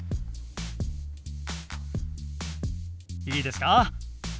いいですか？